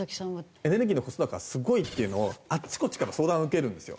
エネルギーのコスト高がすごいっていうのをあっちこっちから相談受けるんですよ。